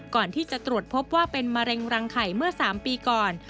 ก่อนที่จะตรวจพบว่าเป็นมะเร็งรังไข่เมื่อ๓ปีก่อน